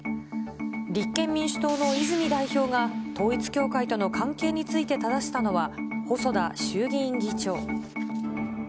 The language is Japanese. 立憲民主党の泉代表が、統一教会との関係についてただしたのは細田衆議院議長。